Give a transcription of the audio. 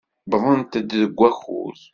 Wwḍent-d deg wakud.